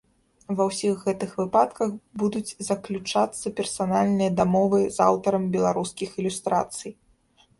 Ва ўсіх гэтых выпадках будуць заключацца персанальныя дамовы з аўтарам беларускіх ілюстрацый.